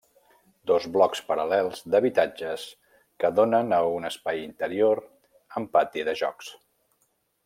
Dos blocs paral·lels d'habitatges que donen a un espai interior amb pati de jocs.